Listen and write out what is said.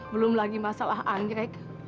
belum lagi masalah anggrek